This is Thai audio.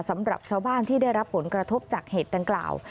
สำหรับชาวบ้านที่ได้รับผลกระทบจากเหตุดังกล่าว